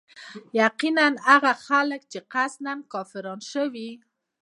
يقيناً هغه خلک چي قصدا كافران شوي